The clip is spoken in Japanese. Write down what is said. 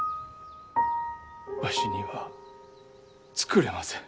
わしには作れません。